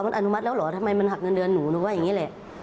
มันอนุมัติแล้วเหรอทำไมมันหักเงินเดือนหนูหนูว่าอย่างนี้แหละ